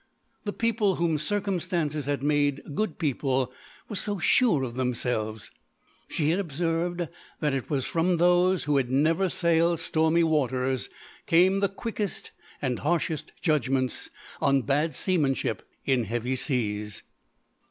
The people whom circumstances had made good people were so sure of themselves. She had observed that it was from those who had never sailed stormy waters came the quickest and harshest judgments on bad seamanship in heavy seas.